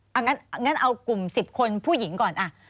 เอางั้นเอากลุ่ม๑๐คนผู้หญิงก่อน